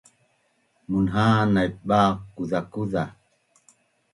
Munha’an naip baq kuzakuza